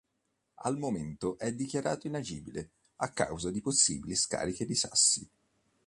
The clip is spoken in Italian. Al momento è dichiarato inagibile a causa di possibili scariche di sassi.